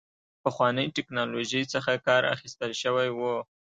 پخوانۍ ټکنالوژۍ څخه کار اخیستل شوی و.